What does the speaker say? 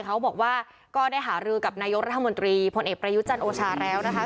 เขาบอกว่าก็ได้หารือกับนายกรัฐมนตรีพลเอกประยุจันทร์โอชาแล้วนะคะ